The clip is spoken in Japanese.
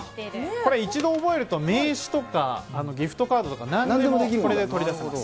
これ、一度覚えると、名刺とか、ギフトカードとか、なんでもこれで取り出せます。